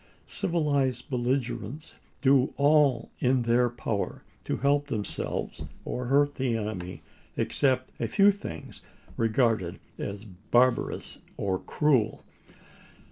Civilized belligerents do all in their power to help themselves or hurt the enemy, except a few things regarded as barbarous or cruel.